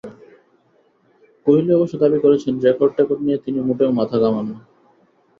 কোহলি অবশ্য দাবি করছেন, রেকর্ড-টেকর্ড নিয়ে তিনি মোটেও মাথা ঘামান না।